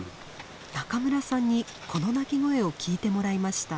中村さんにこの鳴き声を聞いてもらいました。